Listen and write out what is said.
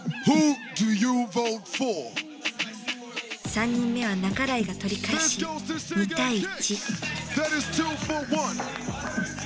３人目は半井が取り返し２対１。